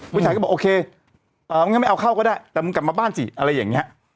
ผู้ชายก็บอกโอเคงั้นไม่เอาเข้าก็ได้แต่มึงกลับมาบ้านสิอะไรอย่างนี้